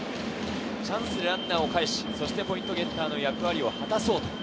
チャンスでランナーをかえし、そしてポイントゲッターの役割を果たすそう。